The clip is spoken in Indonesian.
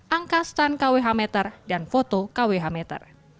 angka stand kwh meter dan foto kwh meter